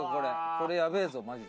これやべえぞマジで。